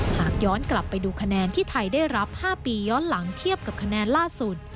หากย้อนกลับไปดูคะแนนที่ไทยได้รับ๕ปีย้อนหลังเทียบกับคะแนนล่าสุด